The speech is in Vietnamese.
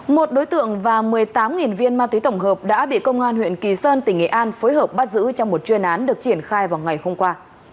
một đối tượng và một mươi tám viên ma túy tổng hợp đã bị công an huyện kỳ sơn tỉnh nghệ an phối hợp bắt giữ trong một chuyên án được triển khai vào ngày hôm qua